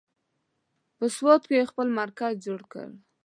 په سوات کې یې خپل مرکز جوړ کړ.